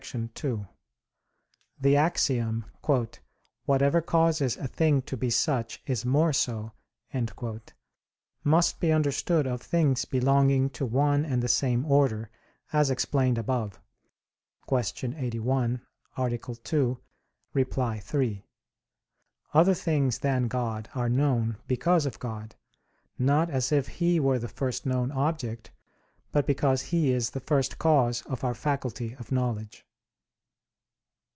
2: The axiom, "Whatever causes a thing to be such is more so," must be understood of things belonging to one and the same order, as explained above (Q. 81, A. 2, ad 3). Other things than God are known because of God; not as if He were the first known object, but because He is the first cause of our faculty of knowledge.